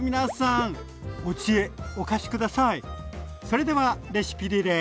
それではレシピリレー。